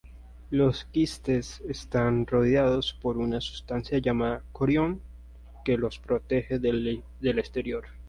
Los quistes están rodeados por una sustancia llamada corion que los protege del exterior.